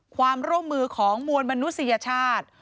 ความร่วมมือของมวลมนุษยชาติ